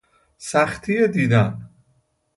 سختی دیدن